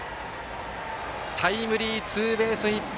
タイムリーツーベースヒット。